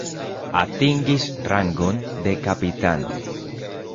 Atingis rangon de kapitano.